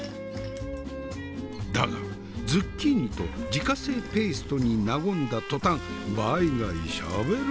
だがズッキーニと自家製ペーストに和んだ途端バイ貝しゃべる